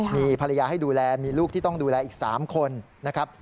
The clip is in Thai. มีภรรยาให้ดูแลมีลูกที่ต้องดูแลอีก๓คนนะครับ